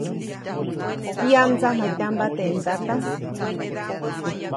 ¿tiyam mdsamjatyamba teʼ ndata?